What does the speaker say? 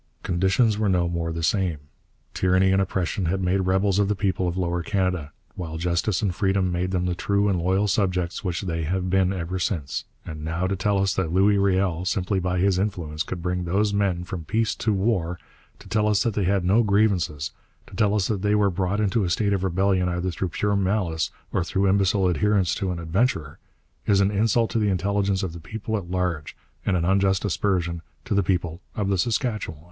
Conditions were no more the same. Tyranny and oppression had made rebels of the people of Lower Canada, while justice and freedom made them the true and loyal subjects which they have been ever since. And now to tell us that Louis Riel, simply by his influence, could bring those men from peace to war, to tell us that they had no grievances, to tell us that they were brought into a state of rebellion either through pure malice or through imbecile adherence to an adventurer, is an insult to the intelligence of the people at large, and an unjust aspersion on the people of the Saskatchewan.